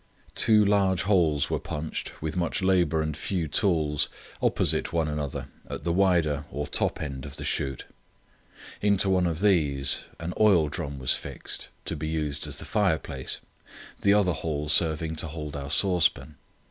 Two large holes were punched, with much labour and few tools, opposite one another at the wider or top end of the shoot. Into one of these an oil drum was fixed, to be used as the fireplace, the other hole serving to hold our saucepan.